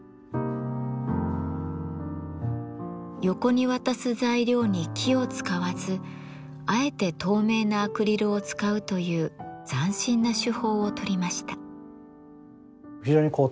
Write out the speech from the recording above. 横に渡す材料に木を使わずあえて透明なアクリルを使うという斬新な手法をとりました。